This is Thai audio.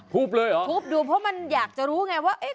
เลยเหรอทุบดูเพราะมันอยากจะรู้ไงว่า